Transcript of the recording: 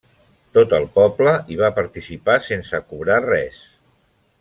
Tot el poble hi va participar sense cobrar res.